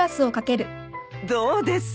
どうです？